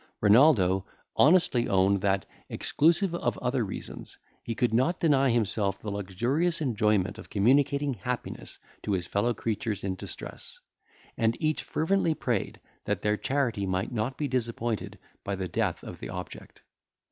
Renaldo honestly owned, that, exclusive of other reasons, he could not deny himself the luxurious enjoyment of communicating happiness to his fellow creatures in distress; and each fervently prayed, that their charity might not be disappointed by the death of the object.